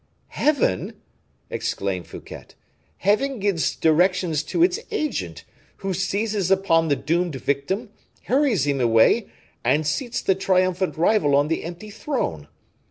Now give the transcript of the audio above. "Heaven!" exclaimed Fouquet "Heaven gives directions to its agent, who seizes upon the doomed victim, hurries him away, and seats the triumphant rival on the empty throne.